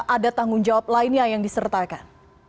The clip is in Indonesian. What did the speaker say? ada tanggung jawab lainnya yang disertakan